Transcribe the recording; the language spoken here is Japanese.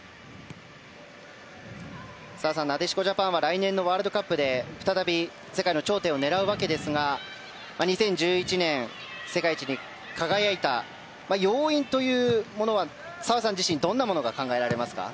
澤さん、なでしこジャパンは来年のワールドカップで再び世界の頂点を狙うわけですが２０１１年、世界一に輝いた要因というものは、澤さん自身どんなものが考えられますか。